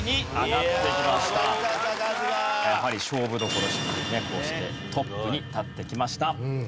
やはり勝負どころしっかりねこうしてトップに立ってきました。